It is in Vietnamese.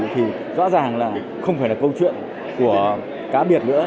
thì rõ ràng là không phải là câu chuyện của cá biệt nữa